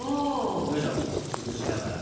よいしょちょっと崩しながら。